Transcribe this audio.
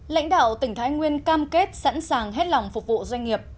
lãnh đạo tỉnh thái nguyên cam kết sẵn sàng hết lòng phục vụ doanh nghiệp